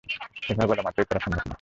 এভাবে বলা মাত্রই করা সম্ভব না।